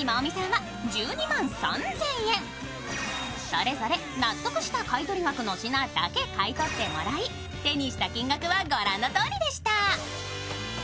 それぞれ納得した買い取り額の品だけ買い取ってもらい手にした金額は御覧のとおりでした。